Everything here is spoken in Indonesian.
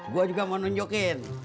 gue juga mau nunjukin